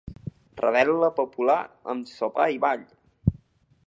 Revetlla popular amb sopar i ball.